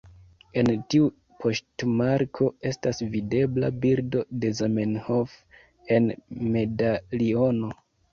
En tiu poŝtmarko estas videbla bildo de Zamenhof en medaliono.